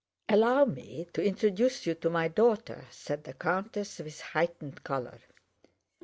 "Allow me to introduce you to my daughter," said the countess, with heightened color.